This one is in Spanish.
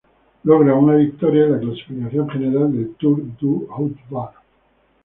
Logra una victoria y la clasificación general del Tour du Haut Var.